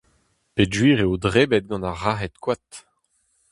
Peogwir eo debret gant ar razhed-koad !